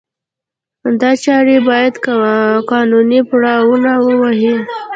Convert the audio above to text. دا چارې باید قانوني پړاونه ووهي.